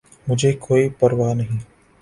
!مجھے کوئ پرواہ نہیں